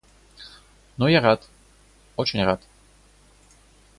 Но я рад, очень рад.